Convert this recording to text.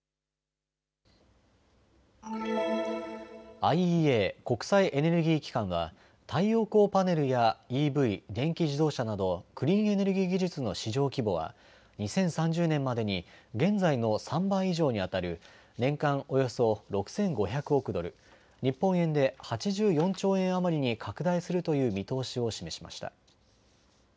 ＩＥＡ・国際エネルギー機関は太陽光パネルやＥＶ・電気自動車などクリーンエネルギー技術の市場規模は２０３０年までに現在の３倍以上にあたる年間およそ６５００億ドル日本円で８４兆円余りに拡大するという見通しを示しました。